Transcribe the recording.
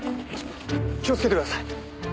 気をつけてください。